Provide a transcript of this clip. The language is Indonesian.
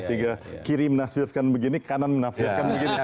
sehingga kiri menafirkan begini kanan menafirkan begini